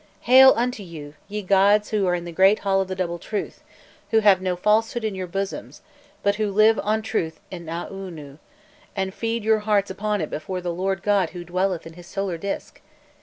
"Hail unto you, ye gods who are in the Great Hall of the Double Truth, who have no falsehood in your bosoms, but who live on Truth in Aûnû, and feed your hearts upon it before the Lord God who dwelleth in his solar disc!